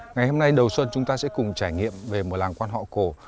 ngày hôm nay đầu xuân chúng ta sẽ cùng trải nghiệm về một làng quan họ cổ